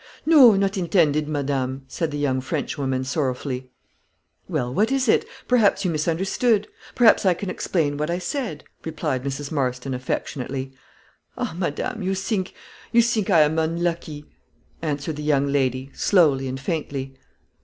"No, not intended, madame," said the young Frenchwoman, sorrowfully. "Well, what was it? Perhaps you misunderstood; perhaps I can explain what I said," replied Mrs. Marston, affectionately. "Ah, madame, you think you think I am unlucky," answered the young lady, slowly and faintly.